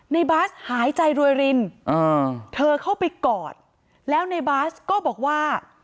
บาสหายใจรวยรินอ่าเธอเข้าไปกอดแล้วในบาสก็บอกว่า